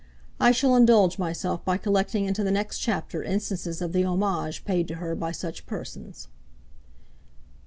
I shall indulge myself by collecting into the next chapter instances of the homage paid to her by such persons.